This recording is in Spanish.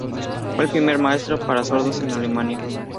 Fue el primer maestro para sordos en Alemania.